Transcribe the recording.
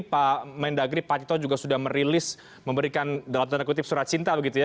pak mendagri pak cito juga sudah merilis memberikan dalam tanda kutip surat cinta begitu ya